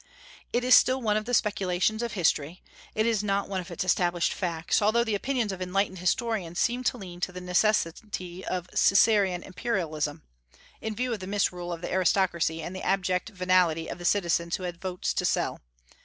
It is still one of the speculations of history; it is not one of its established facts, although the opinions of enlightened historians seem to lean to the necessity of the Caesarian imperialism, in view of the misrule of the aristocracy and the abject venality of the citizens who had votes to sell.